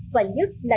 và nhất là